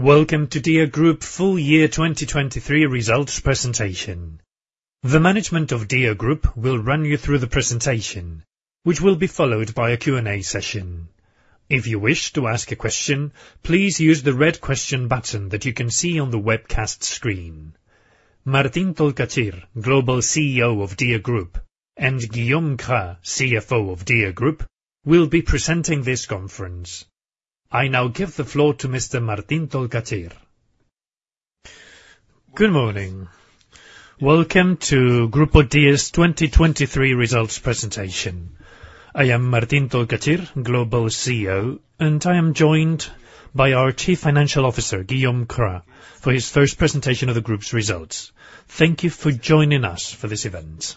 Welcome to Dia Group full year 2023 results presentation. The management of Dia Group will run you through the presentation, which will be followed by a Q&A session. If you wish to ask a question, please use the red question button that you can see on the webcast screen. Martín Tolcachir, Global CEO of Dia Group, and Guillaume Gras, CFO of Dia Group, will be presenting this conference. I now give the floor to Mr. Martín Tolcachir. Good morning. Welcome to Dia Group's 2023 results presentation. I am Martín Tolcachir, Global CEO, and I am joined by our Chief Financial Officer, Guillaume Gras, for his first presentation of the group's results. Thank you for joining us for this event.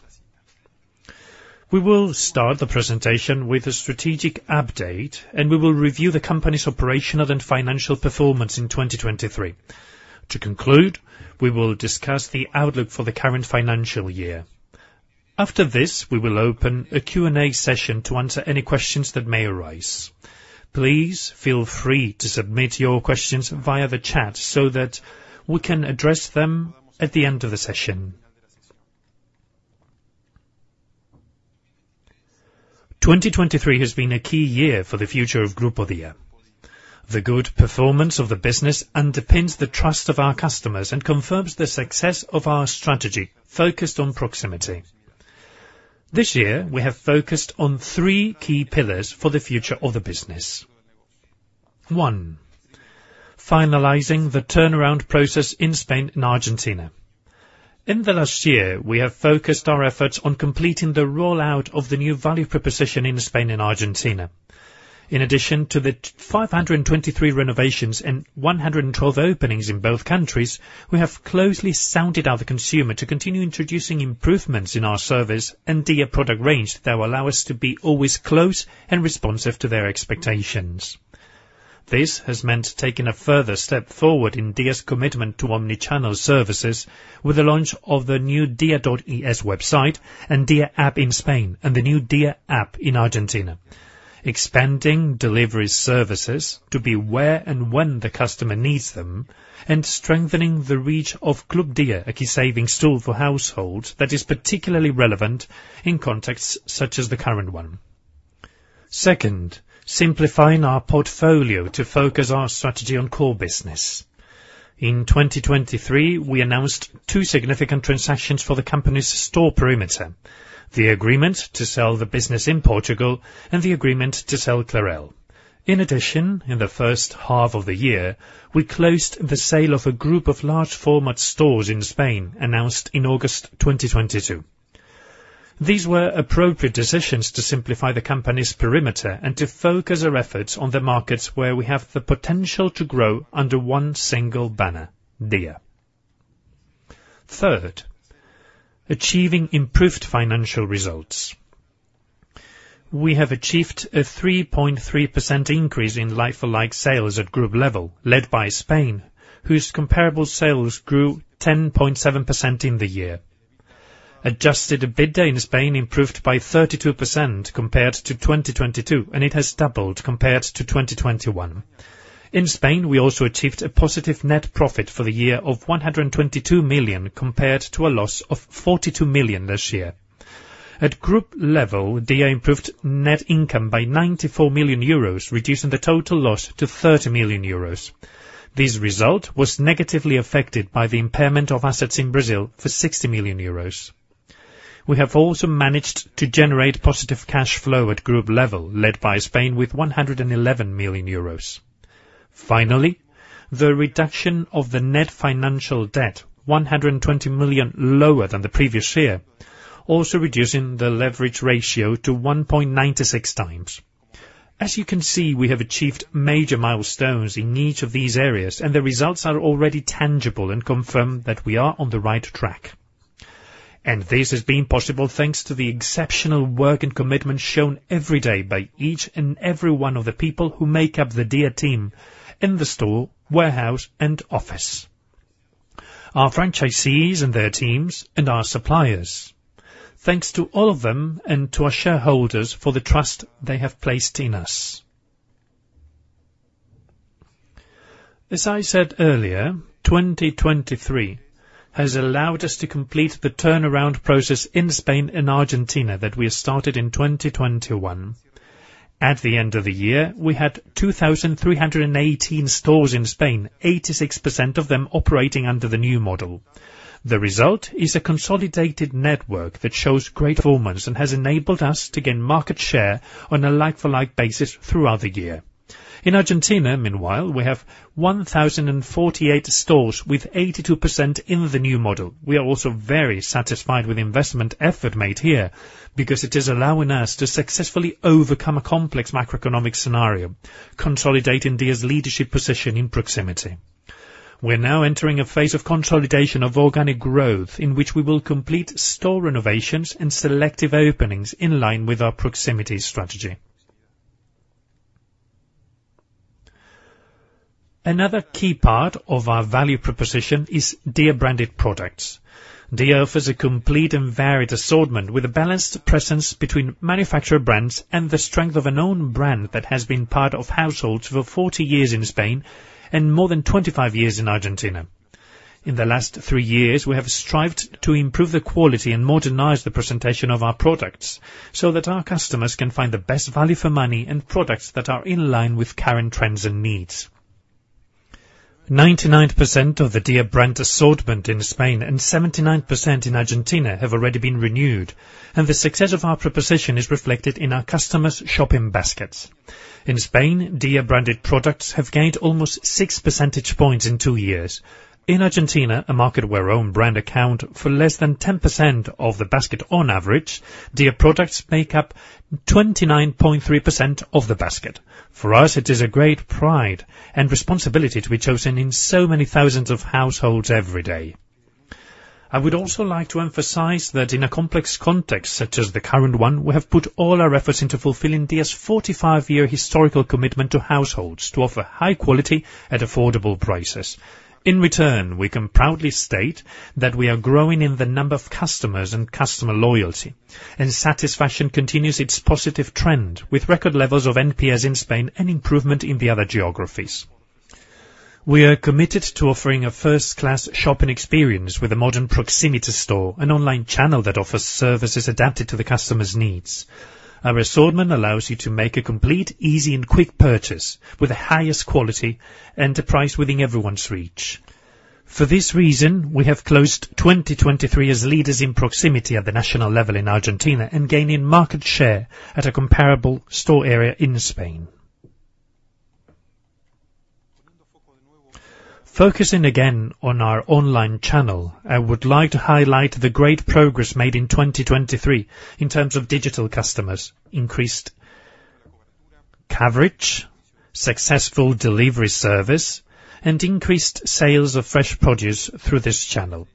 We will start the presentation with a strategic update, and we will review the company's operational and financial performance in 2023. To conclude, we will discuss the outlook for the current financial year. After this, we will open a Q&A session to answer any questions that may arise. Please feel free to submit your questions via the chat so that we can address them at the end of the session. 2023 has been a key year for the future of Grupo Dia. The good performance of the business underpins the trust of our customers and confirms the success of our strategy focused on proximity. This year, we have focused on three key pillars for the future of the business. One: Finalizing the turnaround process in Spain and Argentina. In the last year, we have focused our efforts on completing the rollout of the new value proposition in Spain and Argentina. In addition to the 523 renovations and 112 openings in both countries, we have closely sounded out the consumer to continue introducing improvements in our service and Dia product range that will allow us to be always close and responsive to their expectations. This has meant taking a further step forward in Dia's commitment to omnichannel services with the launch of the new dia.es website and Dia app in Spain and the new Dia app in Argentina. Expanding delivery services to be where and when the customer needs them, and strengthening the reach of Dia Group as the savings tool for households that is particularly relevant in contexts such as the current one. Second: Simplifying our portfolio to focus our strategy on core business. In 2023, we announced two significant transactions for the company's store perimeter: the agreement to sell the business in Portugal and the agreement to sell Clarel. In addition, in the first half of the year, we closed the sale of a group of large-format stores in Spain, announced in August 2022. These were appropriate decisions to simplify the company's perimeter and to focus our efforts on the markets where we have the potential to grow under one single banner: Dia. Third: Achieving improved financial results. We have achieved a 3.3% increase in like-for-like sales at group level, led by Spain, whose comparable sales grew 10.7% in the year. Adjusted EBITDA in Spain improved by 32% compared to 2022, and it has doubled compared to 2021. In Spain, we also achieved a positive net profit for the year of 122 million compared to a loss of 42 million this year. At group level, Dia improved net income by 94 million euros, reducing the total loss to 30 million euros. This result was negatively affected by the impairment of assets in Brazil for 60 million euros. We have also managed to generate positive cash flow at group level, led by Spain with 111 million euros. Finally, the reduction of the net financial debt, 120 million lower than the previous year, also reducing the leverage ratio to 1.96x. As you can see, we have achieved major milestones in each of these areas, and the results are already tangible and confirm that we are on the right track. And this has been possible thanks to the exceptional work and commitment shown every day by each and every one of the people who make up the Dia team in the store, warehouse, and office. Our franchisees and their teams, and our suppliers. Thanks to all of them and to our shareholders for the trust they have placed in us. As I said earlier, 2023 has allowed us to complete the turnaround process in Spain and Argentina that we started in 2021. At the end of the year, we had 2,318 stores in Spain, 86% of them operating under the new model. The result is a consolidated network that shows great performance and has enabled us to gain market share on a like-for-like basis throughout the year. In Argentina, meanwhile, we have 1,048 stores with 82% in the new model. We are also very satisfied with the investment effort made here because it is allowing us to successfully overcome a complex macroeconomic scenario, consolidating Dia's leadership position in proximity. We are now entering a phase of consolidation of organic growth in which we will complete store renovations and selective openings in line with our proximity strategy. Another key part of our value proposition is Dia branded products. Dia offers a complete and varied assortment with a balanced presence between manufacturer brands and the strength of a known brand that has been part of households for 40 years in Spain and more than 25 years in Argentina. In the last three years, we have strived to improve the quality and modernize the presentation of our products so that our customers can find the best value for money and products that are in line with current trends and needs. 99% of the Dia brand assortment in Spain and 79% in Argentina have already been renewed, and the success of our proposition is reflected in our customers' shopping baskets. In Spain, Dia branded products have gained almost 6 percentage points in two years. In Argentina, a market where our own brand account for less than 10% of the basket on average, Dia products make up 29.3% of the basket. For us, it is a great pride and responsibility to be chosen in so many thousands of households every day. I would also like to emphasize that in a complex context such as the current one, we have put all our efforts into fulfilling Dia's 45-year historical commitment to households to offer high quality at affordable prices. In return, we can proudly state that we are growing in the number of customers and customer loyalty, and satisfaction continues its positive trend with record levels of NPS in Spain and improvement in the other geographies. We are committed to offering a first-class shopping experience with a modern proximity store, an online channel that offers services adapted to the customer's needs. Our assortment allows you to make a complete, easy, and quick purchase with the highest quality and a price within everyone's reach. For this reason, we have closed 2023 as leaders in proximity at the national level in Argentina and gaining market share at a comparable store area in Spain. Focusing again on our online channel, I would like to highlight the great progress made in 2023 in terms of digital customers, increased coverage, successful delivery service, and increased sales of fresh produce through this channel.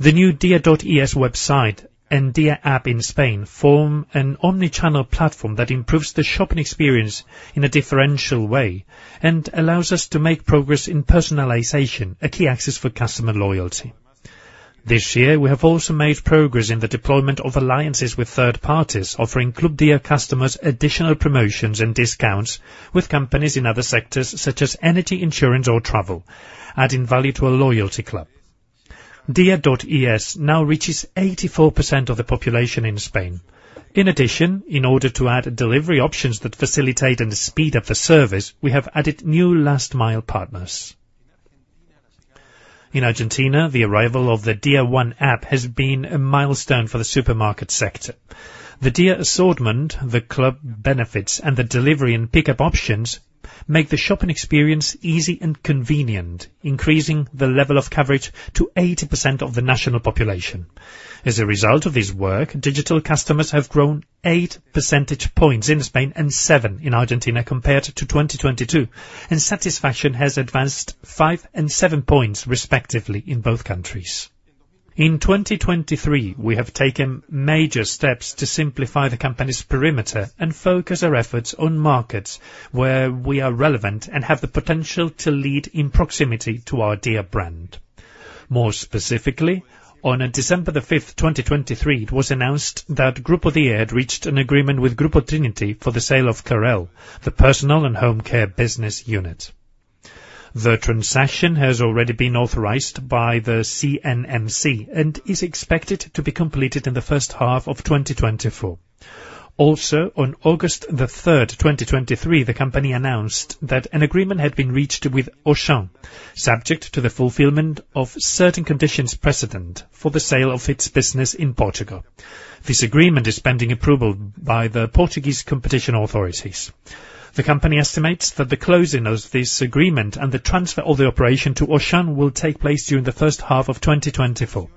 The new dia.es website and Dia app in Spain form an omnichannel platform that improves the shopping experience in a differential way and allows us to make progress in personalization, a key axis for customer loyalty. This year, we have also made progress in the deployment of alliances with third parties, offering Dia Group customers additional promotions and discounts with companies in other sectors such as energy, insurance, or travel, adding value to a loyalty club. dia.es now reaches 84% of the population in Spain. In addition, in order to add delivery options that facilitate and speed up the service, we have added new last-mile partners. In Argentina, the arrival of the Dia One app has been a milestone for the supermarket sector. The Dia assortment, the club benefits, and the delivery and pickup options make the shopping experience easy and convenient, increasing the level of coverage to 80% of the national population. As a result of this work, digital customers have grown 8 percentage points in Spain and 7 in Argentina compared to 2022, and satisfaction has advanced 5 and 7 points, respectively, in both countries. In 2023, we have taken major steps to simplify the company's perimeter and focus our efforts on markets where we are relevant and have the potential to lead in proximity to our Dia brand. More specifically, on December 5th, 2023, it was announced that Grupo Dia had reached an agreement with Grupo Trinity for the sale of Clarel, the personal and home care business unit. The transaction has already been authorized by the CNMC and is expected to be completed in the first half of 2024. Also, on August 3rd, 2023, the company announced that an agreement had been reached with Auchan, subject to the fulfillment of certain conditions precedent for the sale of its business in Portugal. This agreement is pending approval by the Portuguese competition authorities. The company estimates that the closing of this agreement and the transfer of the operation to Auchan will take place during the first half of 2024.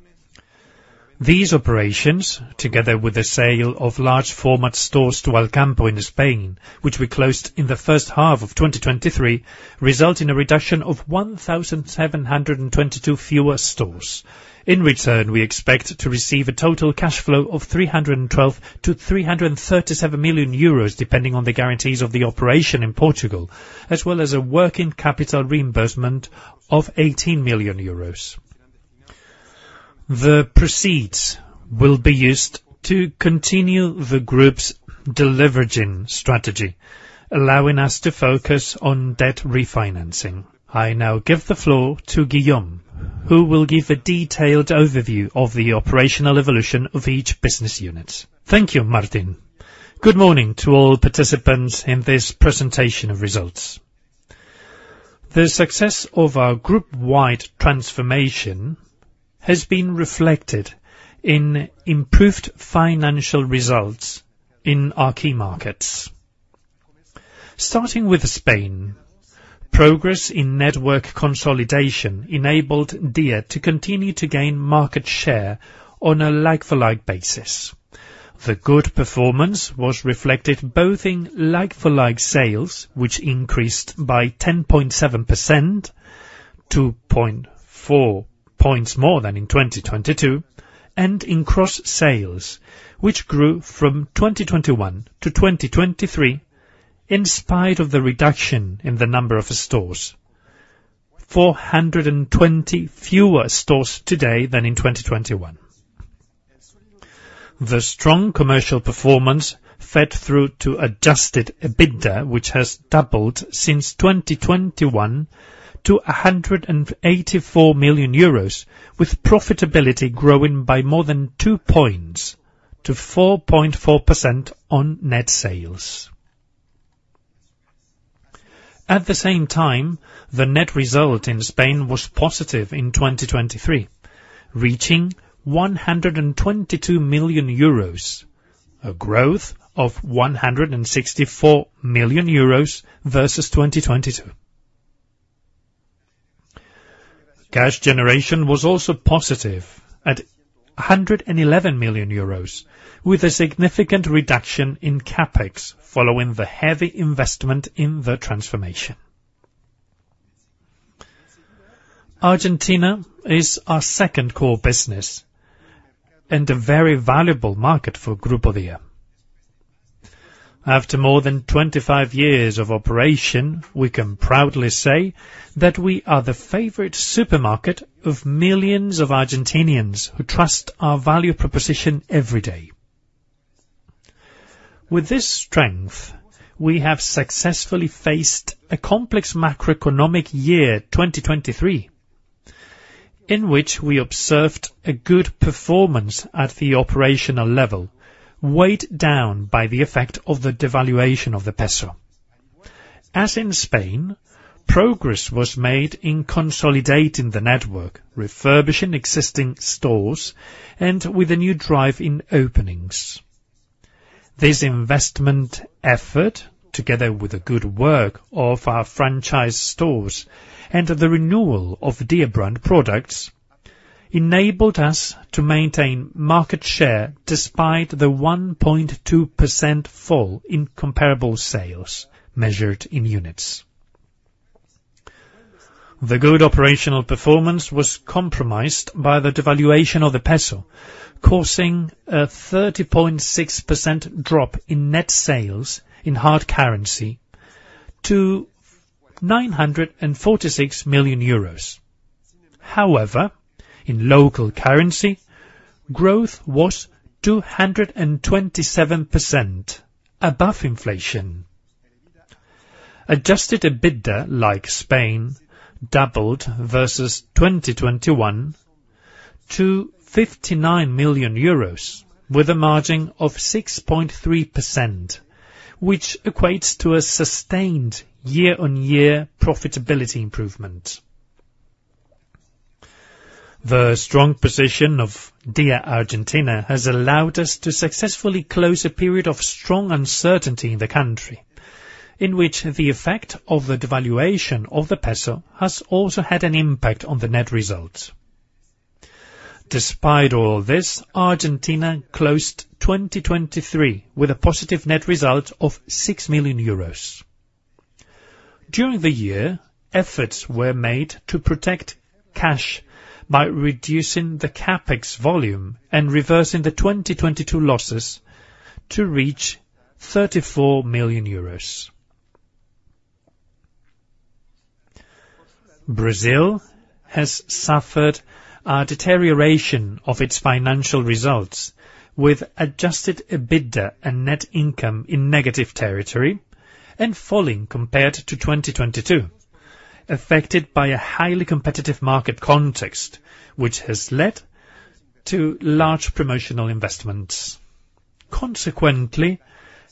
These operations, together with the sale of large-format stores to Alcampo in Spain, which we closed in the first half of 2023, result in a reduction of 1,722 fewer stores. In return, we expect to receive a total cash flow of 312 million-337 million euros, depending on the guarantees of the operation in Portugal, as well as a working capital reimbursement of 18 million euros. The proceeds will be used to continue the group's deleveraging strategy, allowing us to focus on debt refinancing. I now give the floor to Guillaume, who will give a detailed overview of the operational evolution of each business unit. Thank you, Martín. Good morning to all participants in this presentation of results. The success of our group-wide transformation has been reflected in improved financial results in our key markets. Starting with Spain, progress in network consolidation enabled Dia to continue to gain market share on a like-for-like basis. The good performance was reflected both in like-for-like sales, which increased by 10.7%, 2.4 points more than in 2022, and in gross sales, which grew from 2021 to 2023 in spite of the reduction in the number of stores, 420 fewer stores today than in 2021. The strong commercial performance fed through to adjusted EBITDA, which has doubled since 2021 to 184 million euros, with profitability growing by more than 2 points to 4.4% on net sales. At the same time, the net result in Spain was positive in 2023, reaching 122 million euros, a growth of 164 million euros versus 2022. Cash generation was also positive at 111 million euros, with a significant reduction in CapEx following the heavy investment in the transformation. Argentina is our second core business and a very valuable market for Grupo Dia. After more than 25 years of operation, we can proudly say that we are the favorite supermarket of millions of Argentinians who trust our value proposition every day. With this strength, we have successfully faced a complex macroeconomic year, 2023, in which we observed a good performance at the operational level, weighed down by the effect of the devaluation of the peso. As in Spain, progress was made in consolidating the network, refurbishing existing stores, and with a new drive in openings. This investment effort, together with the good work of our franchise stores and the renewal of Dia brand products, enabled us to maintain market share despite the 1.2% fall in comparable sales measured in units. The good operational performance was compromised by the devaluation of the peso, causing a 30.6% drop in net sales in hard currency to 946 million euros. However, in local currency, growth was 227% above inflation. Adjusted EBITDA, like Spain, doubled versus 2021 to 59 million euros, with a margin of 6.3%, which equates to a sustained year-on-year profitability improvement. The strong position of Dia Argentina has allowed us to successfully close a period of strong uncertainty in the country, in which the effect of the devaluation of the peso has also had an impact on the net results. Despite all this, Argentina closed 2023 with a positive net result of 6 million euros. During the year, efforts were made to protect cash by reducing the CapEx volume and reversing the 2022 losses to reach EUR 34 million. Brazil has suffered a deterioration of its financial results, with adjusted EBITDA and net income in negative territory and falling compared to 2022, affected by a highly competitive market context, which has led to large promotional investments. Consequently,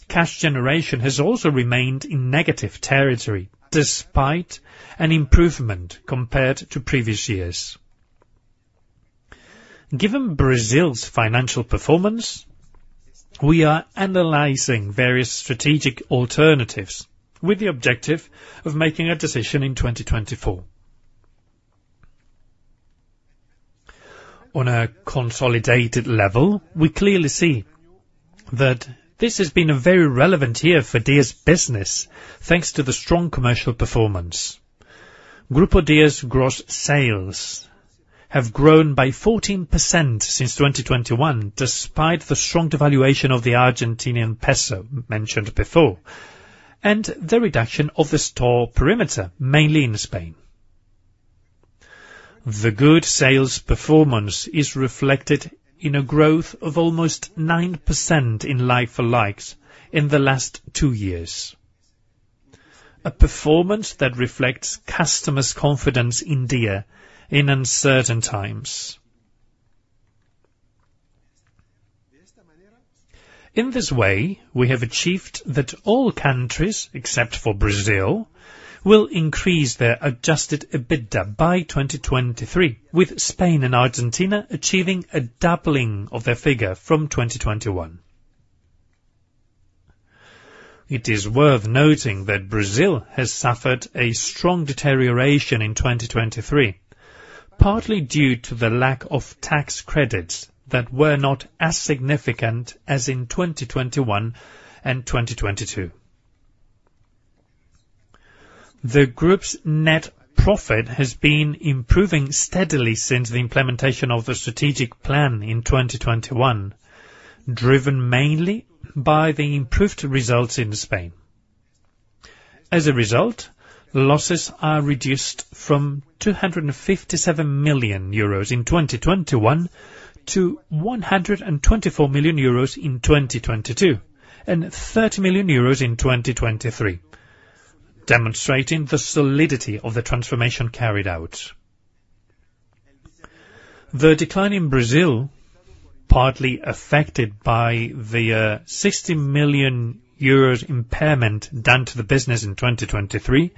cash generation has also remained in negative territory, despite an improvement compared to previous years. Given Brazil's financial performance, we are analyzing various strategic alternatives with the objective of making a decision in 2024. On a consolidated level, we clearly see that this has been a very relevant year for Dia's business, thanks to the strong commercial performance. Grupo Dia's gross sales have grown by 14% since 2021, despite the strong devaluation of the Argentine peso mentioned before and the reduction of the store perimeter, mainly in Spain. The good sales performance is reflected in a growth of almost 9% in like-for-like sales in the last two years, a performance that reflects customers' confidence in Dia in uncertain times. In this way, we have achieved that all countries, except for Brazil, will increase their adjusted EBITDA in 2023, with Spain and Argentina achieving a doubling of their figure from 2021. It is worth noting that Brazil has suffered a strong deterioration in 2023, partly due to the lack of tax credits that were not as significant as in 2021 and 2022. The group's net profit has been improving steadily since the implementation of the strategic plan in 2021, driven mainly by the improved results in Spain. As a result, losses are reduced from 257 million euros in 2021 to 124 million euros in 2022 and 30 million euros in 2023, demonstrating the solidity of the transformation carried out. The decline in Brazil, partly affected by the 60 million euros impairment done to the business in 2023,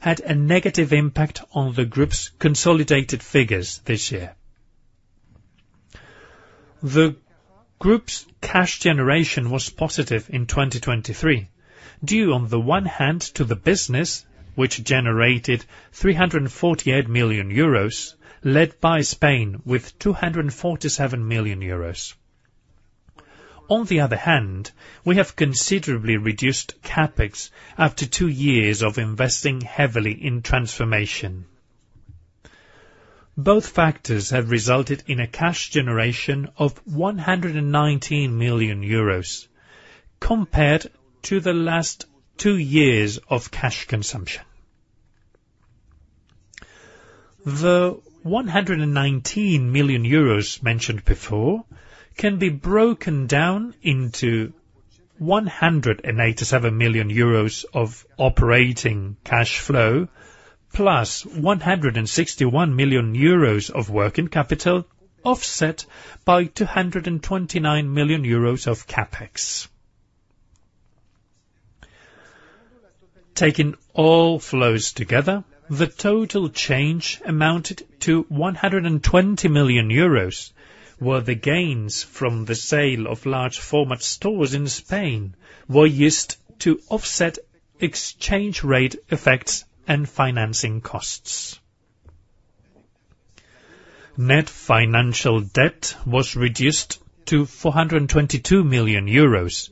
had a negative impact on the group's consolidated figures this year. The group's cash generation was positive in 2023, due on the one hand to the business, which generated 348 million euros, led by Spain with 247 million euros. On the other hand, we have considerably reduced CapEx after two years of investing heavily in transformation. Both factors have resulted in a cash generation of 119 million euros compared to the last two years of cash consumption. The 119 million euros mentioned before can be broken down into 187 million euros of operating cash flow plus 161 million euros of working capital, offset by 229 million euros of CapEx. Taking all flows together, the total change amounted to 120 million euros, where the gains from the sale of large-format stores in Spain were used to offset exchange rate effects and financing costs. Net financial debt was reduced to 422 million euros,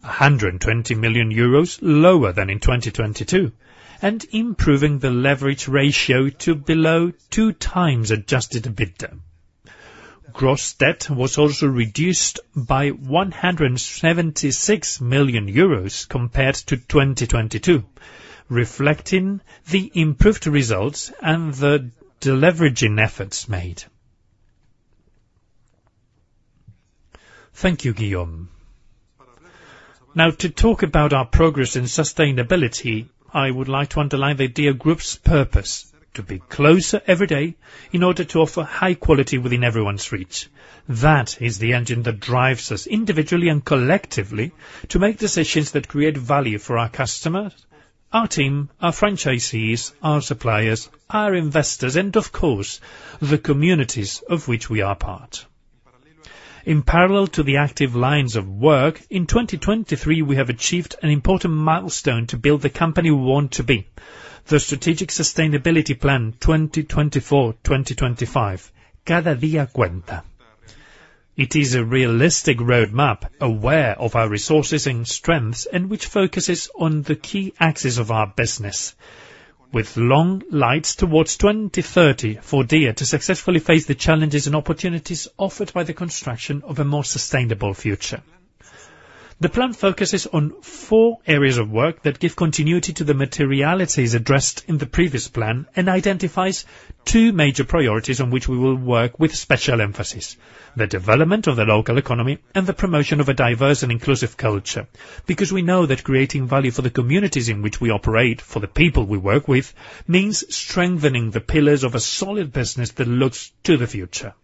120 million euros lower than in 2022, and improving the leverage ratio to below 2x adjusted EBITDA. Gross debt was also reduced by 176 million euros compared to 2022, reflecting the improved results and the deleveraging efforts made. Thank you, Guillaume. Now, to talk about our progress in sustainability, I would like to underline the Dia Group's purpose: to be closer every day in order to offer high quality within everyone's reach. That is the engine that drives us individually and collectively to make decisions that create value for our customers, our team, our franchisees, our suppliers, our investors, and of course, the communities of which we are part. In parallel to the active lines of work, in 2023 we have achieved an important milestone to build the company we want to be: the Strategic Sustainability Plan 2024-2025, Cada Día Cuenta. It is a realistic roadmap, aware of our resources and strengths, and which focuses on the key axes of our business, with long lights towards 2030 for Dia to successfully face the challenges and opportunities offered by the construction of a more sustainable future. The plan focuses on four areas of work that give continuity to the materialities addressed in the previous plan and identifies two major priorities on which we will work with special emphasis: the development of the local economy and the promotion of a diverse and inclusive culture, because we know that creating value for the communities in which we operate, for the people we work with, means strengthening the pillars of a solid business that looks to the future.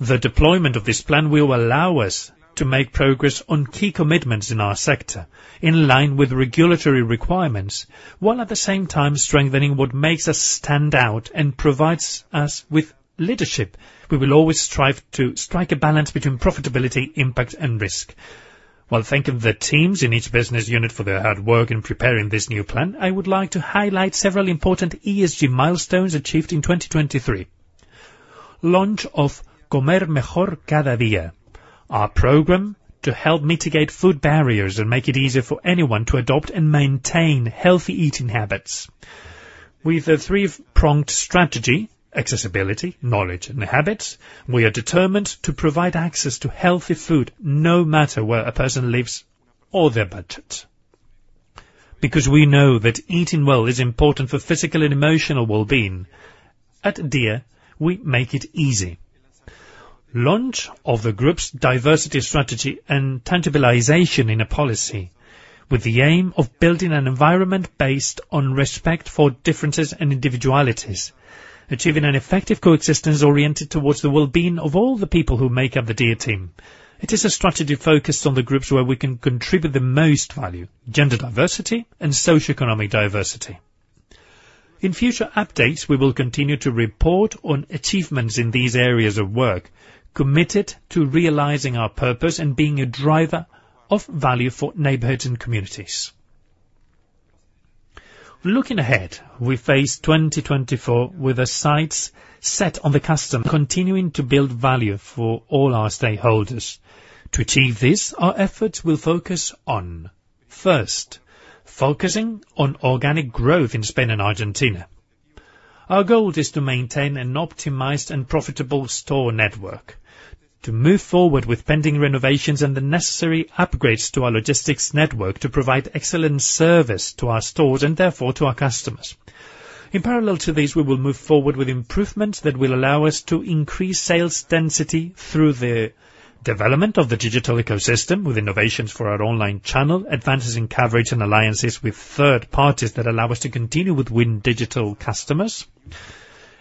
The deployment of this plan will allow us to make progress on key commitments in our sector in line with regulatory requirements, while at the same time strengthening what makes us stand out and provides us with leadership. We will always strive to strike a balance between profitability, impact, and risk. While thanking the teams in each business unit for their hard work in preparing this new plan, I would like to highlight several important ESG milestones achieved in 2023: launch of Comer Mejor Cada Día, our program to help mitigate food barriers and make it easier for anyone to adopt and maintain healthy eating habits. With a three-pronged strategy—accessibility, knowledge, and habits—we are determined to provide access to healthy food no matter where a person lives or their budget. Because we know that eating well is important for physical and emotional well-being, at Dia we make it easy: launch of the group's diversity strategy and tangibilization in a policy, with the aim of building an environment based on respect for differences and individualities, achieving an effective coexistence oriented towards the well-being of all the people who make up the Dia team. It is a strategy focused on the groups where we can contribute the most value: gender diversity and socioeconomic diversity. In future updates, we will continue to report on achievements in these areas of work, committed to realizing our purpose and being a driver of value for neighborhoods and communities. Looking ahead, we face 2024 with our sights set on the cusp, continuing to build value for all our stakeholders. To achieve this, our efforts will focus on: first, focusing on organic growth in Spain and Argentina. Our goal is to maintain an optimized and profitable store network, to move forward with pending renovations and the necessary upgrades to our logistics network to provide excellent service to our stores and therefore to our customers. In parallel to these, we will move forward with improvements that will allow us to increase sales density through the development of the digital ecosystem with innovations for our online channel, advances in coverage, and alliances with third parties that allow us to continue with win digital customers.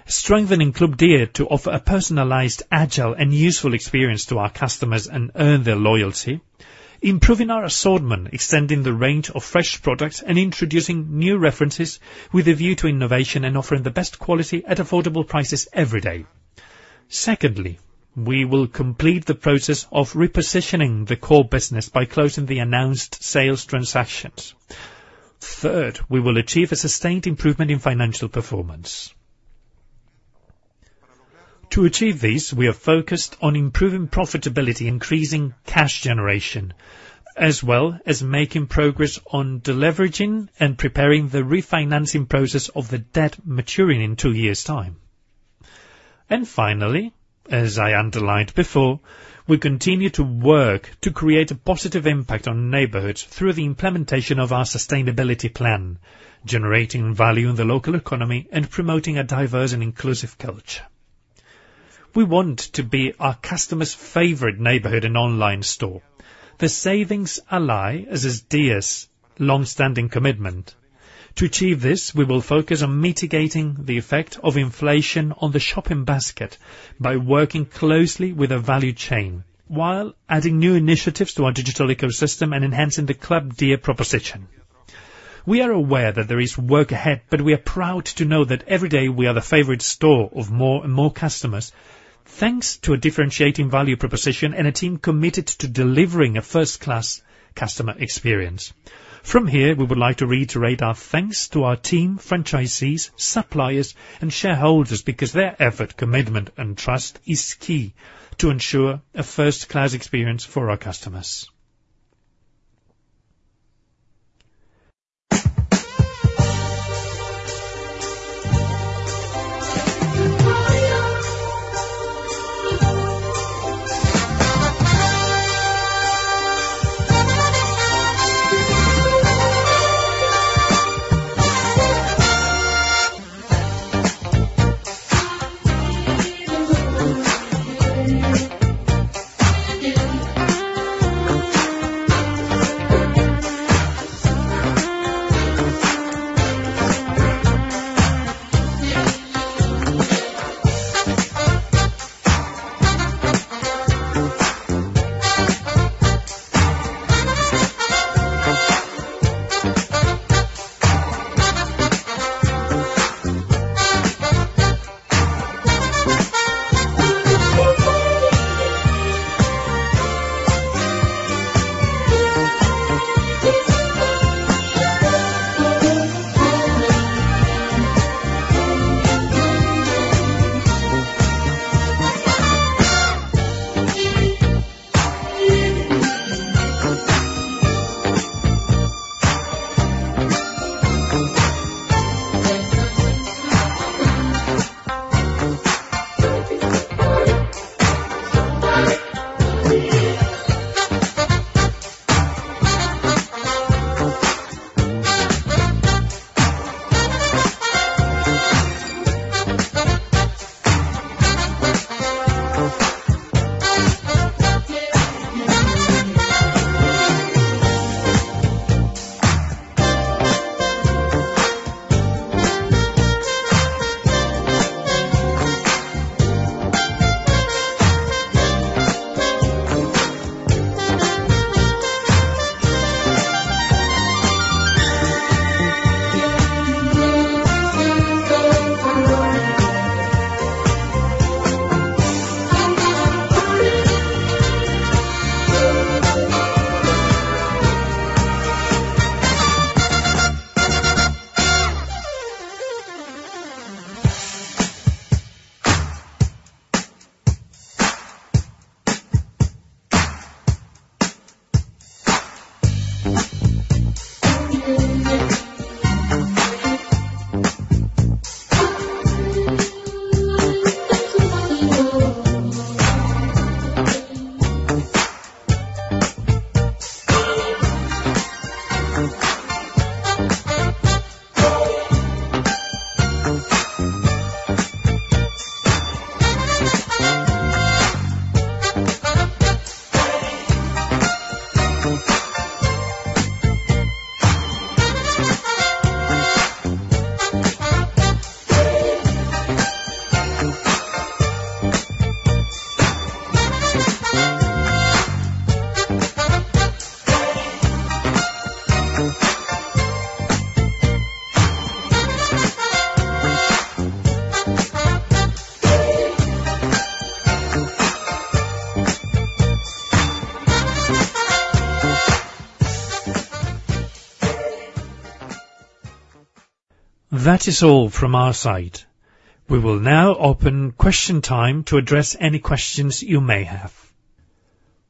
Strengthening Club Dia to offer a personalized, agile, and useful experience to our customers and earn their loyalty. Improving our assortment, extending the range of fresh products, and introducing new references with a view to innovation and offering the best quality at affordable prices every day. Secondly, we will complete the process of repositioning the core business by closing the announced sales transactions. Third, we will achieve a sustained improvement in financial performance. To achieve these, we are focused on improving profitability, increasing cash generation, as well as making progress on deleveraging and preparing the refinancing process of the debt maturing in two years' time. And finally, as I underlined before, we continue to work to create a positive impact on neighborhoods through the implementation of our sustainability plan, generating value in the local economy and promoting a diverse and inclusive culture. We want to be our customers' favorite neighborhood and online store. The savings ally as is Dia's longstanding commitment. To achieve this, we will focus on mitigating the effect of inflation on the shopping basket by working closely with a value chain, while adding new initiatives to our digital ecosystem and enhancing the Club Dia proposition. We are aware that there is work ahead, but we are proud to know that every day we are the favorite store of more and more customers, thanks to a differentiating value proposition and a team committed to delivering a first-class customer experience. From here, we would like to reiterate our thanks to our team, franchisees, suppliers, and shareholders because their effort, commitment, and trust is key to ensure a first-class experience for our customers. That is all from our side. We will now open question time to address any questions you may have.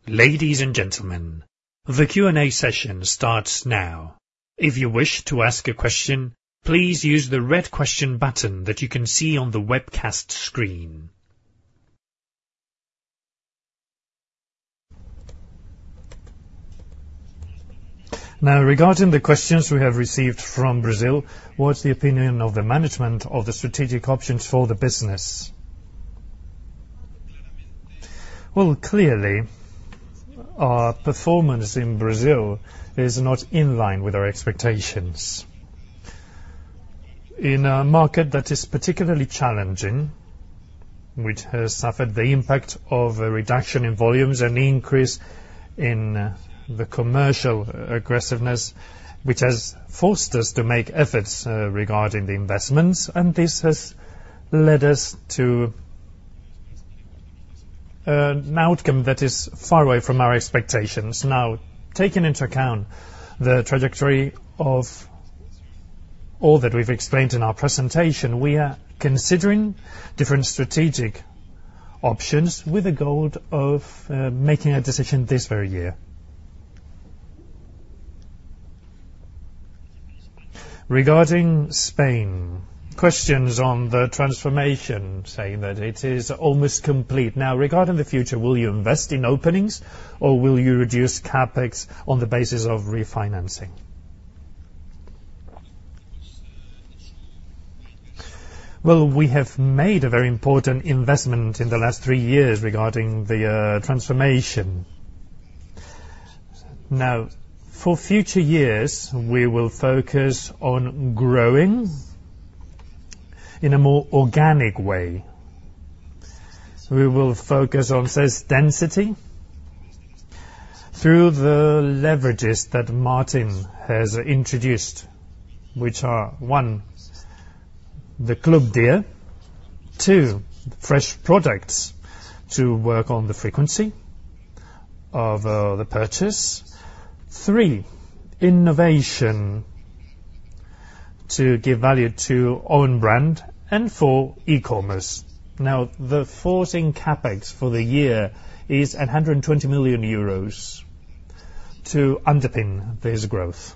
Ladies and gentlemen, the Q&A session starts now. If you wish to ask a question, please use the red question button that you can see on the webcast screen. Now, regarding the questions we have received from Brazil, what's the opinion of the management of the strategic options for the business? Well, clearly, our performance in Brazil is not in line with our expectations. In a market that is particularly challenging, which has suffered the impact of a reduction in volumes and an increase in the commercial aggressiveness, which has forced us to make efforts regarding the investments, and this has led us to an outcome that is far away from our expectations. Now, taking into account the trajectory of all that we've explained in our presentation, we are considering different strategic options with the goal of making a decision this very year. Regarding Spain, questions on the transformation, saying that it is almost complete. Now, regarding the future, will you invest in openings, or will you reduce CapEx on the basis of refinancing? Well, we have made a very important investment in the last three years regarding the transformation. Now, for future years, we will focus on growing in a more organic way. We will focus on sales density through the levers that Martin has introduced, which are: one, the Club Dia; two, fresh products to work on the frequency of the purchase; three, innovation to give value to our own brand; and four, e-commerce. Now, the forecast CapEx for the year is 120 million euros to underpin this growth.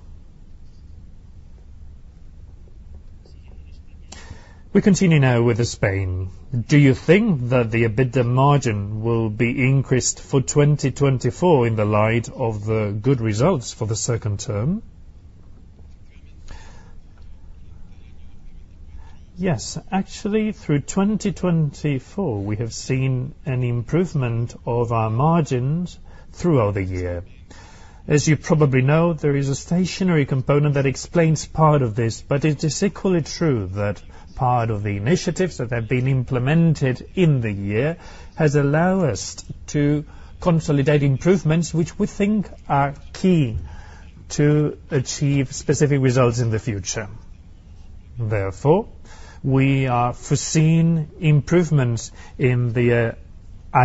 We continue now with Spain. Do you think that the EBITDA margin will be increased for 2024 in the light of the good results for the second term? Yes. Actually, through 2024, we have seen an improvement of our margins throughout the year. As you probably know, there is a seasonal component that explains part of this, but it is equally true that part of the initiatives that have been implemented in the year has allowed us to consolidate improvements which we think are key to achieve specific results in the future. Therefore, we are foreseeing improvements in the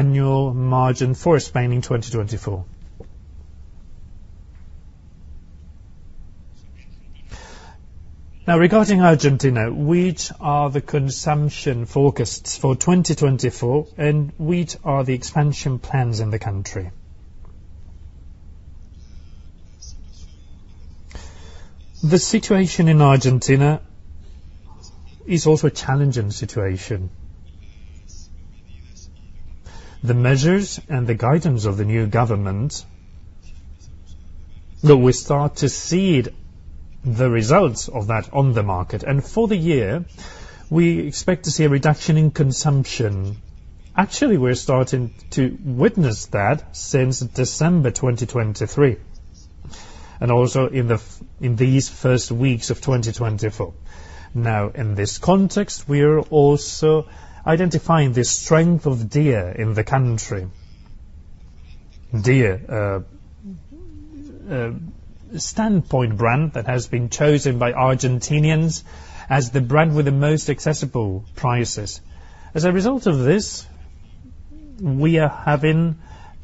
annual margin for Spain in 2024. Now, regarding Argentina, which are the consumption focuses for 2024, and which are the expansion plans in the country? The situation in Argentina is also a challenging situation. The measures and the guidance of the new government that we start to see the results of that on the market. For the year, we expect to see a reduction in consumption. Actually, we're starting to witness that since December 2023 and also in these first weeks of 2024. Now, in this context, we are also identifying the strength of Dia in the country. Dia, a standout brand that has been chosen by Argentinians as the brand with the most accessible prices. As a result of this, we are having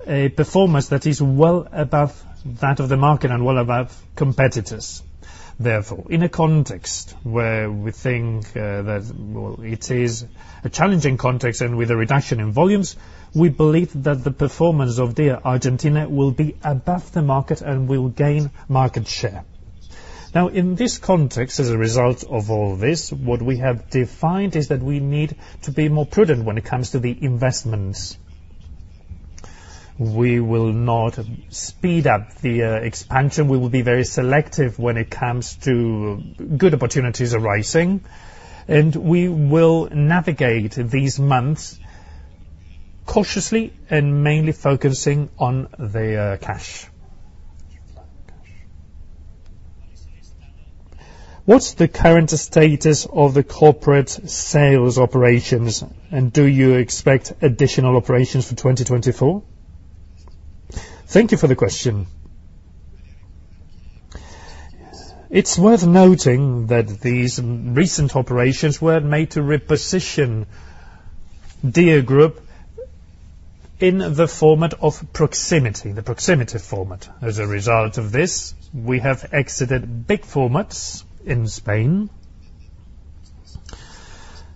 a performance that is well above that of the market and well above competitors. Therefore, in a context where we think that it is a challenging context and with a reduction in volumes, we believe that the performance of Dia Argentina will be above the market and will gain market share. Now, in this context, as a result of all this, what we have defined is that we need to be more prudent when it comes to the investments. We will not speed up the expansion. We will be very selective when it comes to good opportunities arising, and we will navigate these months cautiously and mainly focusing on the cash. What's the current status of the corporate sales operations, and do you expect additional operations for 2024? Thank you for the question. It's worth noting that these recent operations were made to reposition Dia Group in the format of proximity, the proximity format. As a result of this, we have exited big formats in Spain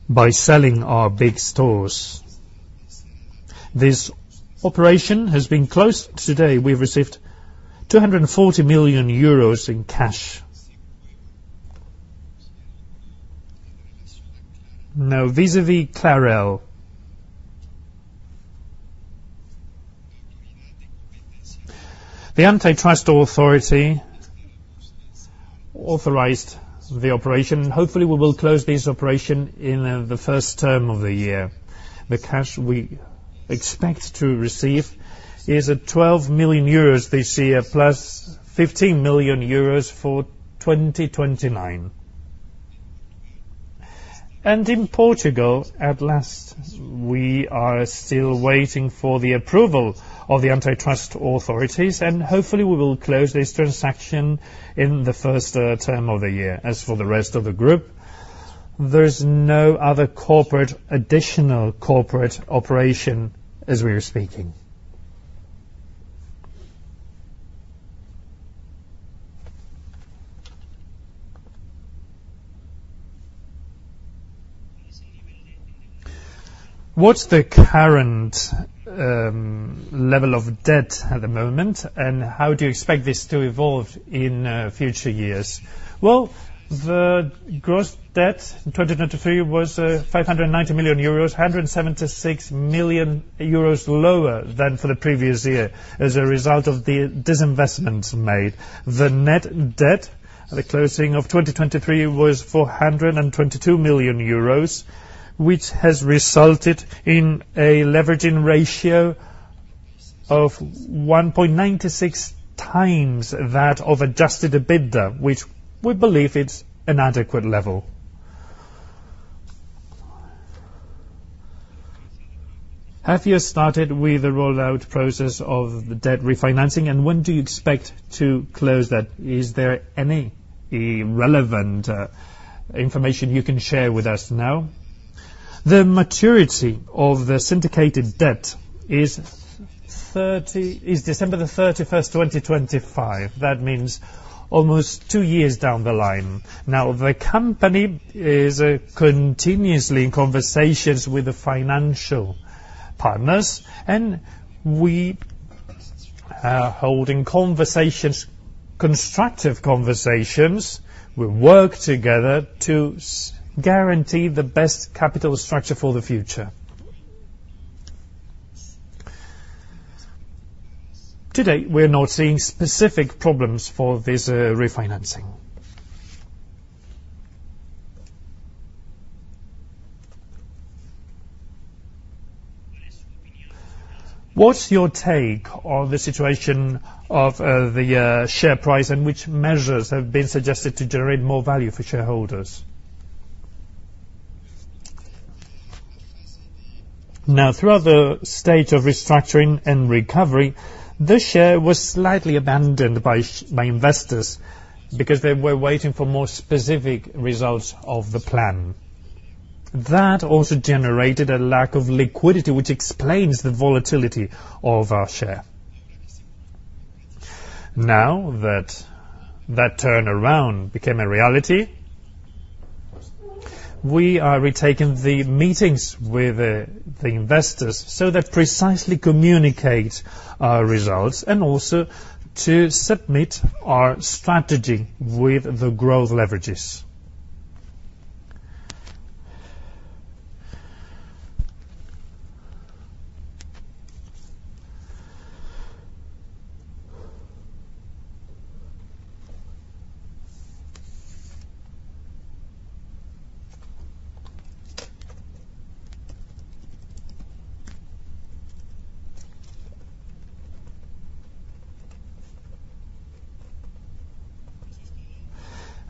by selling our big stores. This operation has been closed. Today, we've received 240 million euros in cash. Now, vis-à-vis Clarel, the antitrust authority authorized the operation. Hopefully, we will close this operation in the first term of the year. The cash we expect to receive is 12 million euros this year plus 15 million euros for 2029. And in Portugal, at last, we are still waiting for the approval of the antitrust authorities, and hopefully, we will close this transaction in the first term of the year. As for the rest of the group, there's no other additional corporate operation as we are speaking. What's the current level of debt at the moment, and how do you expect this to evolve in future years? Well, the gross debt in 2023 was 590 million euros, 176 million euros lower than for the previous year as a result of the disinvestments made. The net debt at the closing of 2023 was 422 million euros, which has resulted in a leverage ratio of 1.96x that of adjusted EBITDA, which we believe it's an adequate level. Have you started with the rollout process of the debt refinancing, and when do you expect to close that? Is there any relevant information you can share with us now? The maturity of the syndicated debt is December 31st, 2025. That means almost two years down the line. Now, the company is continuously in conversations with the financial partners, and we are holding constructive conversations. We work together to guarantee the best capital structure for the future. Today, we are not seeing specific problems for this refinancing. What's your take on the situation of the share price and which measures have been suggested to generate more value for shareholders? Now, throughout the stage of restructuring and recovery, the share was slightly abandoned by investors because they were waiting for more specific results of the plan. That also generated a lack of liquidity, which explains the volatility of our share. Now that that turnaround became a reality, we are retaking the meetings with the investors so that precisely communicate our results and also to submit our strategy with the growth leverages.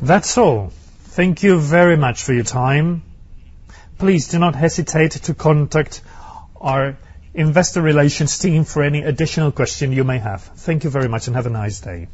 That's all. Thank you very much for your time. Please do not hesitate to contact our investor relations team for any additional question you may have. Thank you very much, and have a nice day.